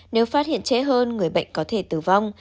nếu phát hiện trễ hơn người bệnh có thể tử vong